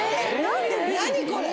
何これ。